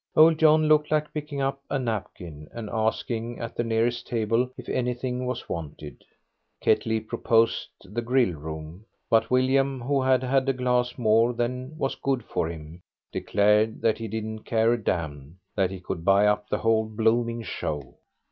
Old John looked like picking up a napkin and asking at the nearest table if anything was wanted. Ketley proposed the grill room, but William, who had had a glass more than was good for him, declared that he didn't care a damn that he could buy up the whole blooming show.